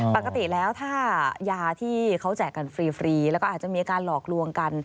ปกติแล้วถ้ายาที่เขาแจกกันฟรีแล้วก็อาจจะมีการหลอกลวงกัน